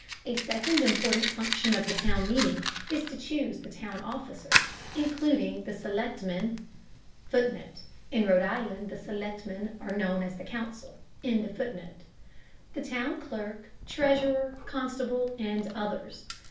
A second important function of the town meeting is to choose the town officers, including the selectmen, [Footnote: In Rhode Island the selectmen are known as the council.] the town clerk, treasurer, constable, and others.